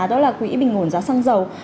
đó là quỹ bình ổn giá xăng dầu